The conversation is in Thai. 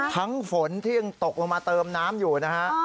ฝนที่ยังตกลงมาเติมน้ำอยู่นะฮะ